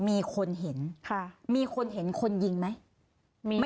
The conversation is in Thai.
มีคนเห็นค่ะมีคนเห็นคนยิงไหมมี